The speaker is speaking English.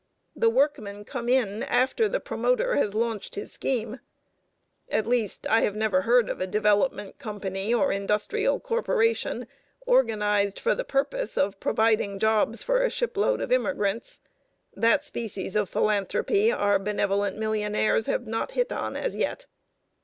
The workmen come in after the promoter has launched his scheme. At least, I have never heard of a development company or industrial corporation organized for the purpose of providing jobs for a shipload of immigrants. That species of philanthropy our benevolent millionaires have not hit on as yet.